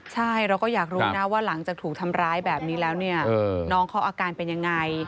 ใช่เราก็อยากรู้นะว่าหลังจากถูกทำร้ายแบบนี้แล้วเนี่ยน้องเขาอาการเป็นยังไง